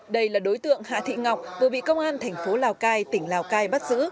đây là đối tượng hạ thị ngọc vừa bị công an thành phố lào cai tỉnh lào cai bắt giữ